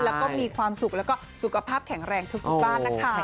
แล้วก็มีความสุขแล้วก็สุขภาพแข็งแรงทุกบ้านนะคะ